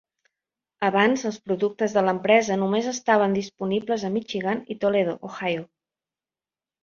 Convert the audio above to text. Abans, els productes de l'empresa només estaven disponibles a Michigan i Toledo, Ohio.